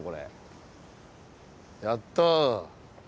やった。